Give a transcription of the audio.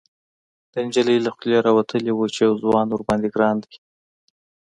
، د نجلۍ له خولې راوتلي و چې يو ځوان ورباندې ګران دی.